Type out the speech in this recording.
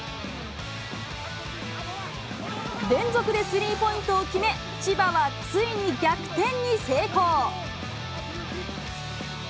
連続でスリーポイントを決め、千葉はついに逆転に成功。